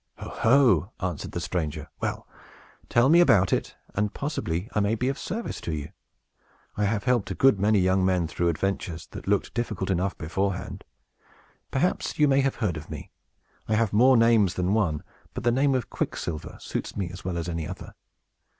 "Oho!" answered the stranger. "Well, tell me all about it, and possibly I may be of service to you. I have helped a good many young men through adventures that looked difficult enough beforehand. Perhaps you may have heard of me. I have more names than one; but the name of Quicksilver suits me as well as any other.